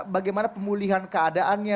bagaimana pemulihan keadaannya